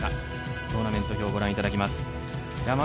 トーナメント表をご覧いただきます。